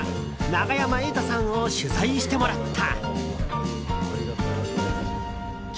永山瑛太さんを取材してもらった。